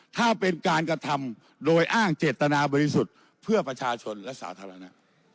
ถ้าเป็นการกระทำโดยอ้างเจตนาบริสุทธิ์เพื่อประชาชนและสาธารณะ